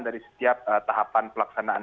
dari setiap tahapan pelaksanaan